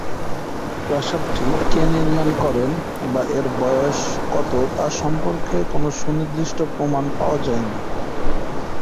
প্রাসাদটি কে নির্মাণ করেন বা এর বয়স কত তা সম্পর্কে কোনো সুনির্দিষ্ট প্রমাণ পাওয়া যায়নি।